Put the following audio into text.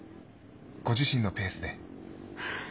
ご自身のペースで。